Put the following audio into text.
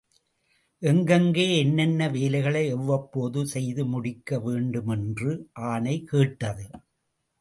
எங்கெங்கே, என்னென்ன வேலைகளை எவ்வப்போது செய்து முடிக்க வேண்டுமென்று, ஆணை கேட்டது.